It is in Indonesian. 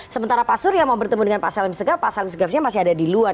sementara pak surya mau bertemu dengan pak salim segaf pak salim segafnya masih ada di luar